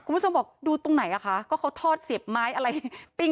คุณผู้ชมบอกดูตรงไหนอ่ะคะก็เขาทอดเสียบไม้อะไรปิ้ง